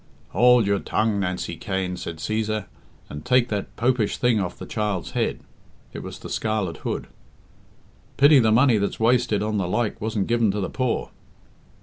"Hould your tongue, Nancy Cain," said Cæsar, "and take that Popish thing off the child's head." It was the scarlet hood. "Pity the money that's wasted on the like wasn't given to the poor."